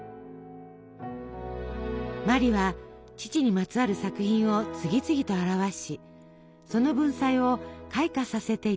茉莉は父にまつわる作品を次々と著しその文才を開花させていったのです。